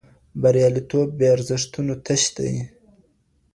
بریالیتوب بې ارزښتونو تش دی.